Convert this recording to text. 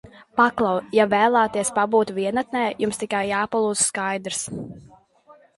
Paklau, ja vēlaties pabūt vienatnē, jums tikai jāpalūdz, skaidrs?